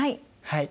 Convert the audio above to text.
はい！